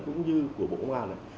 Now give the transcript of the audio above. cũng như của bộ công an